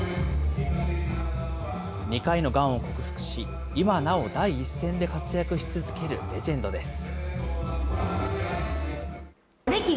２回のがんを克服し、今なお第一線で活躍し続けるレジェンドです。